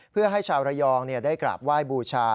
เพื่อให้ชาวระยองได้กราบไหว้บูชา